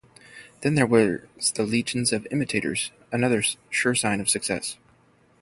Then there was the legion of imitators, another sure sign of success.